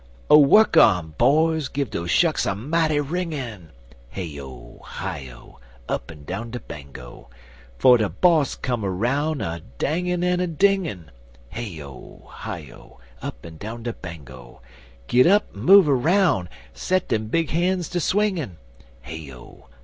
Oh, work on, boys! give doze shucks a mighty wringin' (Hey O! Hi O! Up'n down de Bango!) 'Fo' de boss come aroun' a dangin' en a dingin' (Hey O! Hi O! Up'n down de Bango!) Git up en move aroun'! set dem big han's ter swingin' (Hey O!